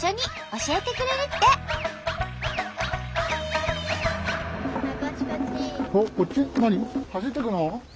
走っていくの？